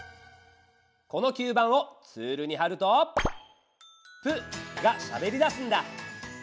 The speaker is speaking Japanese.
この吸盤をツールに貼ると「プ」がしゃべりだすんだ。